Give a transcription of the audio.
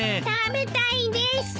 食べたいです。